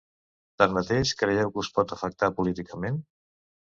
Tanmateix, creieu que us pot afectar políticament?